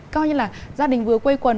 coi như là gia đình vừa quê quần